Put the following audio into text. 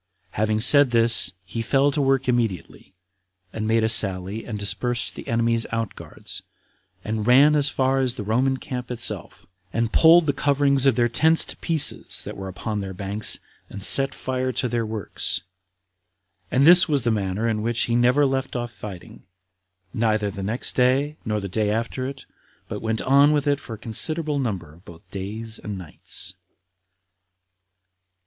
Having said this, he fell to work immediately, and made a sally, and dispersed the enemies' out guards, and ran as far as the Roman camp itself, and pulled the coverings of their tents to pieces, that were upon their banks, and set fire to their works. And this was the manner in which he never left off fighting, neither the next day, nor the day after it, but went on with it for a considerable number of both days and nights.